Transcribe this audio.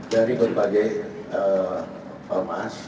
jadi berbagai emas